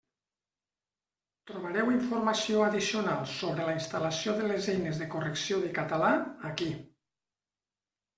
Trobareu informació addicional sobre la instal·lació de les eines de correcció de català aquí.